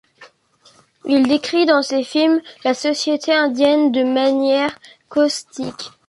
Il décrit dans ses films la société indienne de manière caustique.